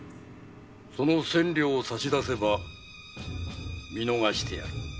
その千両を差し出せば見逃してやる